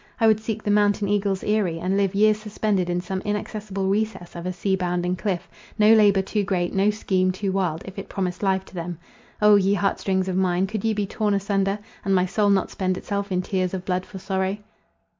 I would seek the mountain eagle's eirie, and live years suspended in some inaccessible recess of a sea bounding cliff—no labour too great, no scheme too wild, if it promised life to them. O! ye heart strings of mine, could ye be torn asunder, and my soul not spend itself in tears of blood for sorrow!